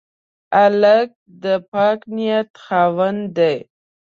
هلک د پاک نیت خاوند دی.